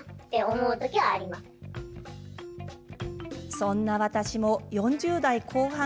そんな私も４０代後半。